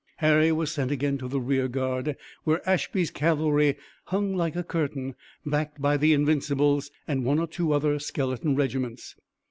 Harry was sent again to the rear guard, where Ashby's cavalry hung like a curtain, backed by the Invincibles and one or two other skeleton regiments.